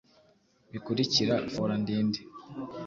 bikurikira. Fora ndi nde?